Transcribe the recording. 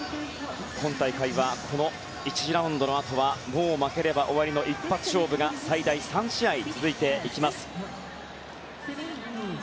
今大会は１次ラウンドのあとはもう負ければ終わりの一発勝負が最大３試合続いていきます。